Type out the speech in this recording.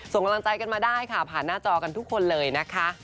ส่งกำลังใจกันมาได้ค่ะผ่านหน้าจอกันทุกคนเลยนะคะ